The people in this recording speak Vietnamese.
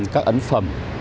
các ấn phẩm